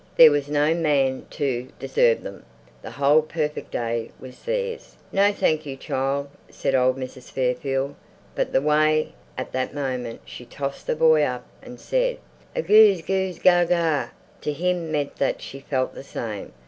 There was no man to disturb them; the whole perfect day was theirs. "No, thank you, child," said old Mrs. Fairfield, but the way at that moment she tossed the boy up and said "a goos a goos a ga!" to him meant that she felt the same.